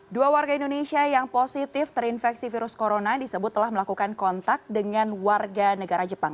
dua warga indonesia yang positif terinfeksi virus corona disebut telah melakukan kontak dengan warga negara jepang